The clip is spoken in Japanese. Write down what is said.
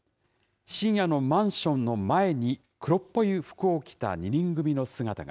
深夜のマンションの前に、黒っぽい服を着た２人組の姿が。